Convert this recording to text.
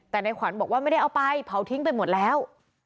แต่ในขวัญบอกว่าไม่ได้เอาไปเผาทิ้งไปหมดแล้ว